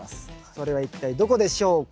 それは一体どこでしょうか？